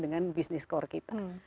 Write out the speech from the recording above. dengan bisnis core kita